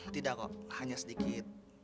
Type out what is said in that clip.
tidak kok hanya sedikit